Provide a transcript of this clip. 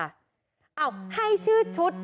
เอ้าให้ชื่อชุด